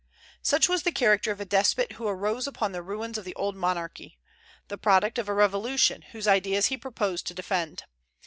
Such was the character of a despot who arose upon the ruins of the old monarchy, the product of a revolution, whose ideas he proposed to defend.